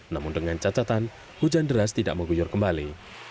namun dengan catatan hujan deras tidak mengguyur kembali